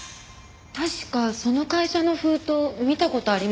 確かその会社の封筒見た事あります。